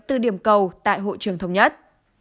từ điểm cầu tại hội trường thống nhất